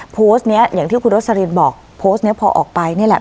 โพสต์นี้อย่างที่คุณโรสลินบอกโพสต์นี้พอออกไปนี่แหละ